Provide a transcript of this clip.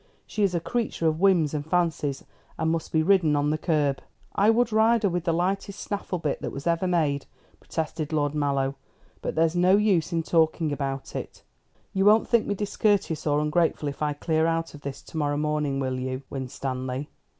She is a creature of whims and fancies, and must be ridden on the curb." "I would ride her with the lightest snaffle bit that ever was made," protested Lord Mallow. "But there's no use in talking about it. You won't think me discourteous or ungrateful if I clear out of this to morrow morning, will you, Winstanley?"